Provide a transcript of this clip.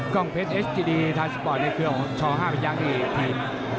กล้องเพชรเอสจีดีทายสปอร์ตในเครื่องช้อห้าเป็นยางอีกที